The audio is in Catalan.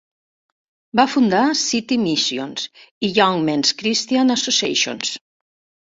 Va fundar City Missions i Young Men's Christian Associations.